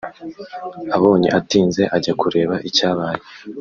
abonye atinze ajya kureba icyabaye